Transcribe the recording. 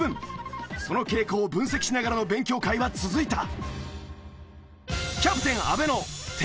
その傾向を分析しながらの勉強会は続いた。